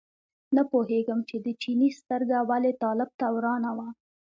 نه پوهېږم چې د چیني سترګه ولې طالب ته ورانه وه.